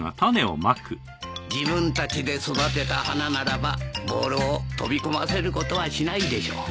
自分たちで育てた花ならばボールを飛び込ませることはしないでしょう。